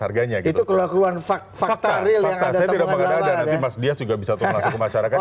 harganya gitu itu kelakuan fakta real yang ada fakta saya tidak mengadakan nanti mas dias juga bisa tuntas ke masyarakat